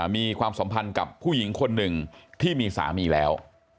มีความสัมพันธ์กับผู้หญิงคนหนึ่งที่มีสามีแล้ว